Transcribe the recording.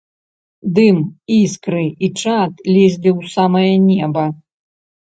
Дым, іскры і чад лезлі ў самае неба.